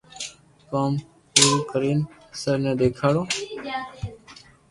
ڪوم پورو ڪرين سر نو دآکارو